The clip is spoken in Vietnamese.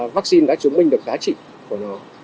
vắc xin đã chứng minh được giá trị của nó